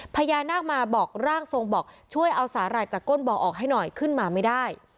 พญานาคมาบอกร่างทรงบอกช่วยเอาสาหร่ายจากก้นบ่อออกให้หน่อยขึ้นมาไม่ได้